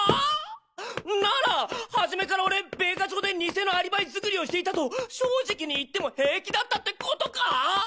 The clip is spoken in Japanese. なら初めから俺米花町で偽のアリバイ作りをしていたと正直に言っても平気だったってことかぁ！？